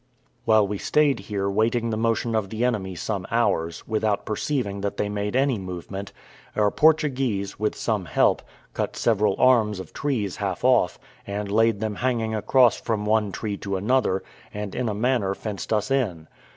While we stayed here waiting the motion of the enemy some hours, without perceiving that they made any movement, our Portuguese, with some help, cut several arms of trees half off, and laid them hanging across from one tree to another, and in a manner fenced us in.